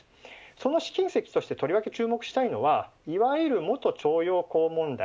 その試金石としてとりわけ注目したいのはいわゆる元徴用工問題